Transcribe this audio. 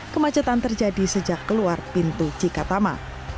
kemacetan terjadi sejak keluar pintu cikatama